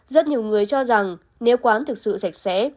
rất nhiều người cho rằng nếu quán thực sự sạch sẽ